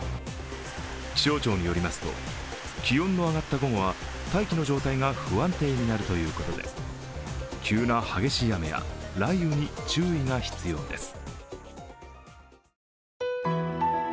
気象庁によりますと気温の上がった午後は大気の状態が不安定になるということで、急な激しい雨や雷雨に注意が必要です。